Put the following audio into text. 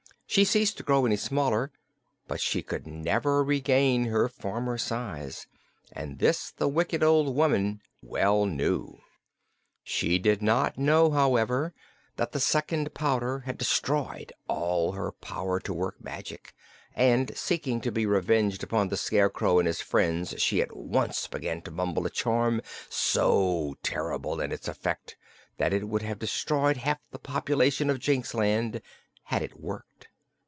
She ceased to grow any smaller, but she could never regain her former size, and this the wicked old woman well knew. She did not know, however, that the second powder had destroyed all her power to work magic, and seeking to be revenged upon the Scarecrow and his friends she at once began to mumble a charm so terrible in its effect that it would have destroyed half the population of Jinxland had it worked.